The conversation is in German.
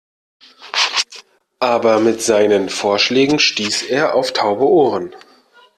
Aber mit seinen Vorschlägen stieß er auf taube Ohren.